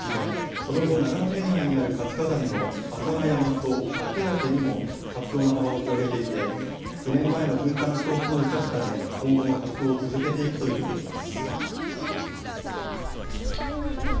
その後、長野県内にある活火山の浅間山と焼岳にも活動の幅を広げていて９年前の噴火の教訓を生かすため今後も活動を続けていくということです。